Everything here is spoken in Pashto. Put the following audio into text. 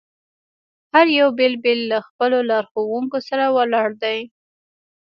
هر یو بېل بېل له خپلو لارښوونکو سره ولاړ دي.